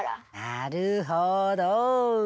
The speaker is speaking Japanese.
なるほど。